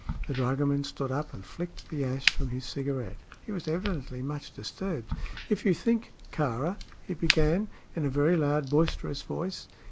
The dragoman stood up and flicked the ash from his cigarette. He was evidently much disturbed. "If you think, Kāra " he began, in a very loud, boisterous voice.